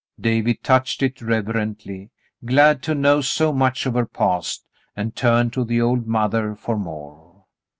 David touched it reverently, glad to know so much of her past, and turned to the old mother for more.